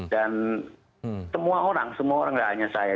dan semua orang semua orang tidak hanya saya